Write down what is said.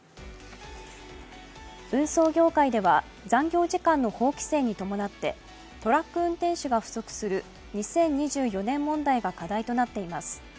運送業界では、残業時間の法規制に伴ってトラック運転手が不足する２０２４年問題が課題となっています。